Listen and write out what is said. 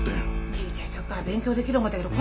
ちいちゃい時から勉強できる思うたけど。